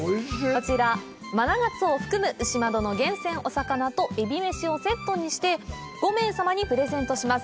こちらマナガツオを含む牛窓の厳選お魚とえびめしをセットにして５名様にプレゼントします